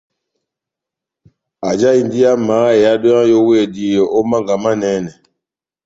Ajahindi amaha ehádo yá nʼyówedi ó mánga manɛnɛ.